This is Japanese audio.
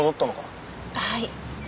はい。